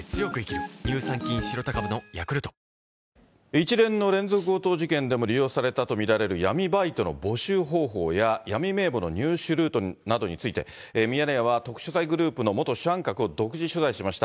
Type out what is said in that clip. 一連の連続強盗事件でも利用されたと見られる闇バイトの募集方法や闇名簿の入手ルートなどについて、ミヤネ屋は特殊詐欺グループの元主犯格を独自取材しました。